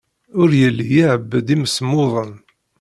Ur yelli iɛebbed imsemmuden.